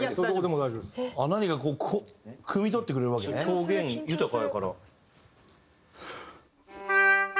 表現豊かやから。